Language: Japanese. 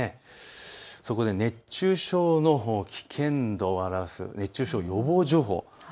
そこで熱中症の危険度を表す熱中症予防情報です。